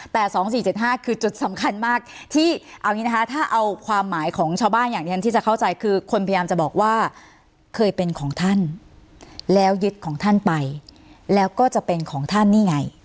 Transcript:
แต่๒๔๗๕คือจุดสำคัญมากที่เอาอย่างนี้นะคะถ้าเอาความหมายของชาวบ้านอย่างที่ฉันที่จะเข้าใจคือคนพยายามจะบอกว่าเคยเป็นของท่านแล้วยึดของท่านไปแล้วก็จะเป็นของท่านนี่ไง